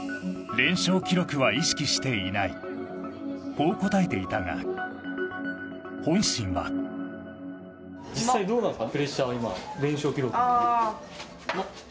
こう答えていたが本心は実際どうなんですか？